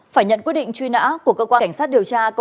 phải nhận quyết định truy nã của cơ quan cảnh sát điều tra